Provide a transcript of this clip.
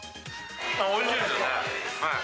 おいしいですよね。